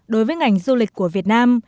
đối với ngành du lịch của việt nam